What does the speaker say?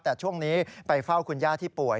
แต่ช่วงนี้ไปเฝ้าคุณย่าที่ป่วย